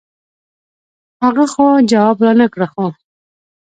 هغه خو جواب رانۀ کړۀ خو